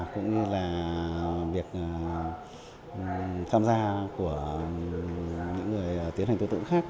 cũng như là việc tham gia của những người tiến hành tố tụng khác